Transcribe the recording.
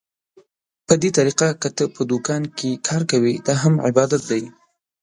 په دې طريقه که ته په دوکان کې کار کوې، دا هم عبادت دى.